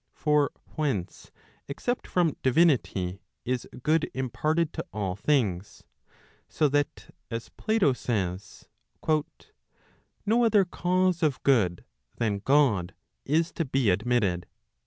For whence, except from divinity, is good imparted to all things? So that as Plato says, " no other cause of good than God, is to be admitted."